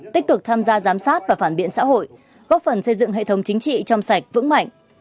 tích cực tham gia giám sát và phản biện xã hội góp phần xây dựng hệ thống chính trị trong sạch vững mạnh